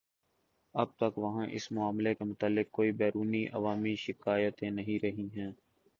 اب تک وہاں اس معاملے کے متعلق کوئی بیرونی عوامی شکایتیں نہیں رہی ہیں